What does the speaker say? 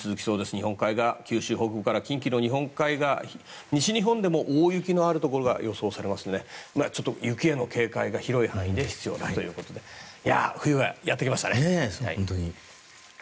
日本海側、九州北部から西日本でも大雪のところが予想されますので雪への警戒が広い範囲で必要だということで冬がやってきましたね。